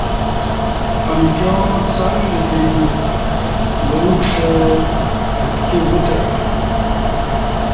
امکیاں څک لتری برُوکݜہ اتکی وُتعہ